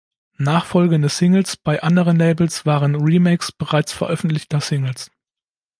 Nachfolgende Singles bei anderen Labels waren Remakes bereits veröffentlichter Singles.